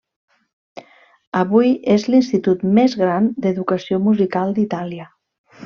Avui és l'institut més gran d'educació musical d'Itàlia.